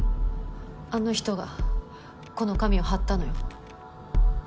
あの人がこの紙を貼ったのよ。